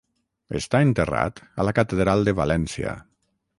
Està enterrat a la catedral de València.